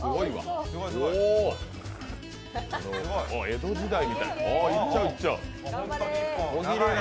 江戸時代みたい。